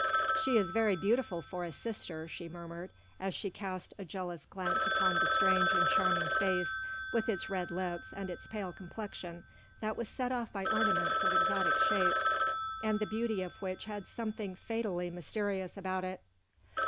"She is very beautiful for a sister," she murmured, as she cast a jealous glance upon the strange and charming face with its red lips and its pale complexion that was set off by ornaments of exotic shapes, and the beauty of which had something fatally mysterious about it.